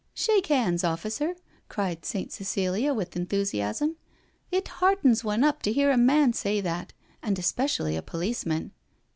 " Shake hands, officer," cried Saint Cecilia with enthusiasm. " It heartens one up to hear a man say that, and especially a policeman.